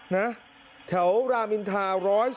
นะแถวรามินทา๑๑๒